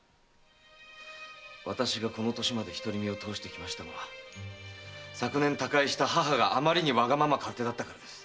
私がこの歳まで独り身を通していましたのは昨年他界した母があまりにわがまま勝手だったからです。